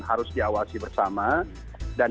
harus diawasi bersama dan